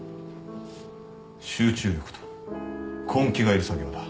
集中力と根気がいる作業だ。